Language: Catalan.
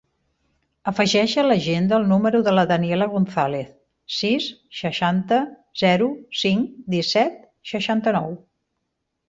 Afegeix a l'agenda el número de la Daniela Gonzalez: sis, seixanta, zero, cinc, disset, seixanta-nou.